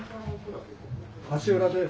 橋浦です。